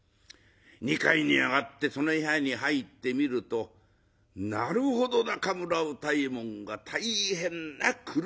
２階に上がってその部屋に入ってみるとなるほど中村歌右衛門が大変な苦しみようでございます。